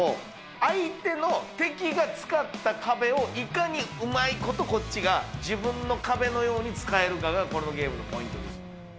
相手の敵が使った壁をいかにうまいことこっちが自分の壁のように使えるかがこのゲームのポイントです。